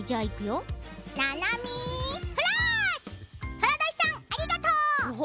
とら年さん、ありがとう。